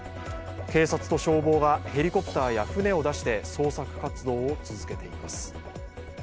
警察と消防がヘリコプターや船を出して捜索活動を続けています。